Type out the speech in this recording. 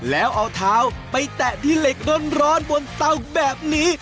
แล้วเอาเท้าไปแตะที่เหล็กร้อนบนเตาแบบนี้